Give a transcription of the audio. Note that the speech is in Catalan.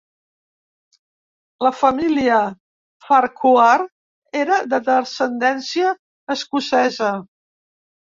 La família Farquhar era de descendència escocesa.